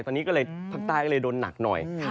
ตอนนี้พักใต้ก็ได้ดนักหน่อย